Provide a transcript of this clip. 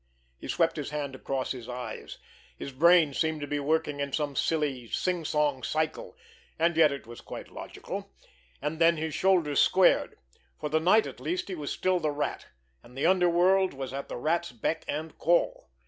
He swept his hand across his eyes. His brain seemed to be working in some silly, sing song cycle, and yet it was quite logical. And then his shoulders squared. For the night at least he was still the Rat, and the underworld was at the Rat's beck and call.